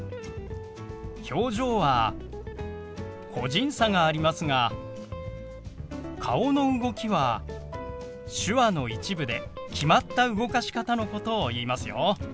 「表情」は個人差がありますが「顔の動き」は手話の一部で決まった動かし方のことを言いますよ。